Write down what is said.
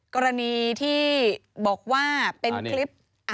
กรณีที่บอกว่าเป็นคลิป